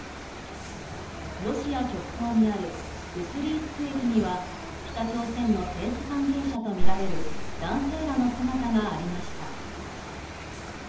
ロシア極東にあるウスリースク駅には北朝鮮の政府関係者とみられる男性らの姿がありました。